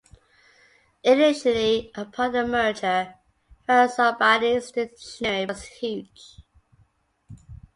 Initially upon the merger, Fairuzabadi's dictionary was huge.